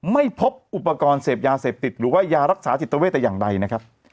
ไม่พบอุปกรณ์เสพยาเสพติดหรือว่ายารักษาจิตเวทแต่อย่างใดนะครับ